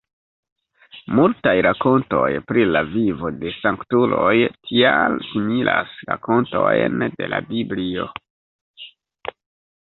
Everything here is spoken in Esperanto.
Multaj rakontoj pri la vivo de sanktuloj tial similas rakontojn de la Biblio.